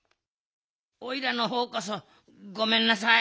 おいらのほうこそごめんなさい。